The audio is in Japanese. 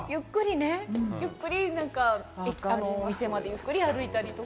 ゆっくり、お店までゆっくり歩いたりとか。